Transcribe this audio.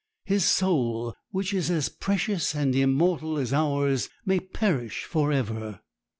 His soul, which is as precious and immortal as ours, may perish for ever!'